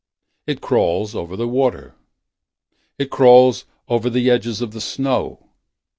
It crawls over the water. It crawls over the edges of the snow.